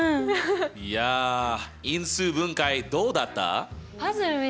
いや因数分解どうだった？